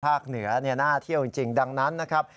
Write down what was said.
เหนือน่าเที่ยวจริงดังนั้นนะครับ